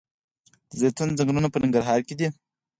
د زیتون ځنګلونه په ننګرهار کې دي؟